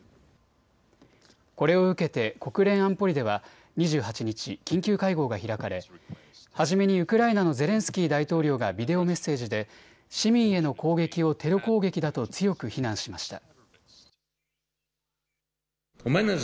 これを受けて国連安保理では２８日、緊急会合が開かれ初めにウクライナのゼレンスキー大統領がビデオメッセージで市民への攻撃をテロ攻撃だと強く非難しました。